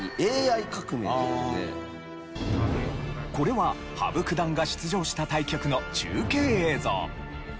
これは羽生九段が出場した対局の中継映像。